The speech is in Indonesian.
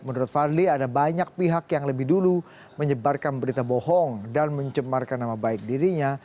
menurut fadli ada banyak pihak yang lebih dulu menyebarkan berita bohong dan mencemarkan nama baik dirinya